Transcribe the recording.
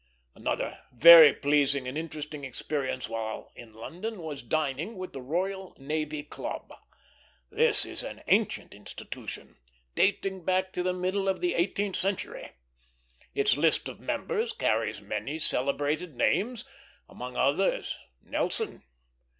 Another very pleasing and interesting experience while in London was dining with the Royal Navy Club. This is an ancient institution, dating back to the middle of the eighteenth century. Its list of members carries many celebrated names, among others Nelson.